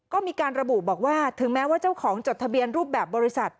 ก็มีการระบุบอกว่าถึงแม้ว่าเจ้าของจดทะเบียนรูปแบบบริษัท